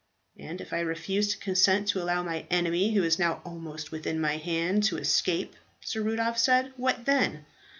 "And if I refuse to consent to allow my enemy, who is now almost within my hand, to escape," Sir Rudolph said, "what then?"